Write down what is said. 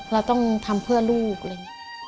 เราต้องทำเพื่อลูกเลย